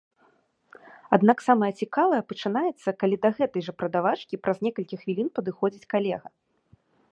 Аднак самае цікавае пачынаецца, калі да гэтай жа прадавачкі праз некалькі хвілін падыходзіць калега.